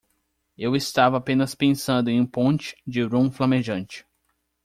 Eu estava apenas pensando em um ponche de rum flamejante.